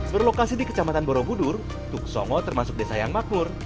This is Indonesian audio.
berlokasi di kecamatan borobudur tuk songo termasuk desa yang makmur